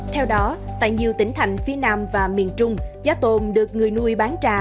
theo đó tại nhiều tỉnh thành phía nam và miền trung giá tôm được người nuôi bán ra